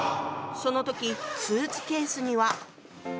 その時スーツケースには。